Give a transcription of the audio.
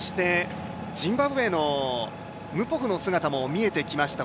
ジンバブエのムポフの姿も見えてきました。